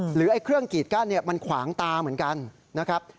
ไอ้เครื่องกีดกั้นมันขวางตาเหมือนกันนะครับ